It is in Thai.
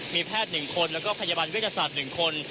มีแพทย์๑คนแล้วก็พยาบาลวิทยาศาสตร์๑คน